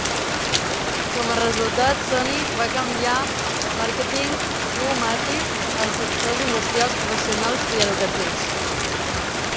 Com a resultat, Sony va canviar el màrqueting d'U-Matic als sectors industrials, professionals i educatius.